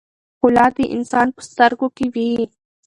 ښکلا د انسان په سترګو کې وي.